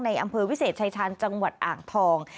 อำเภอวิเศษชายชาญจังหวัดอ่างทอง